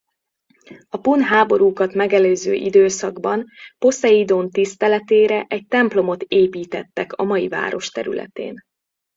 A pun háborúkat megelőző időszakban Poszeidón tiszteletére egy templomot építettek a mai város területén.